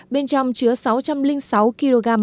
bên trong chứa sáu trăm linh sáu kg